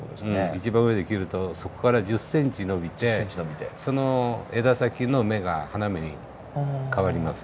一番上で切るとそこから１０ｃｍ伸びてその枝先の芽が花芽に変わります。